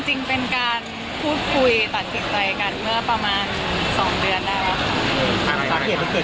จริงเป็นการพูดคุยตัดสินใจกันเมื่อประมาณ๒เดือนแล้วค่ะ